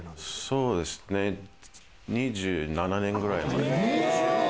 そうですね、２７年ぐらい。